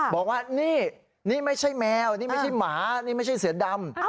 บอกว่านี่นี่ไม่ใช่แมวนี่ไม่ใช่หมานี่ไม่ใช่เสือดำ